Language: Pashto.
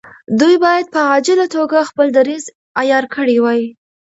دوی باید په عاجله توګه خپل دریځ عیار کړی وای.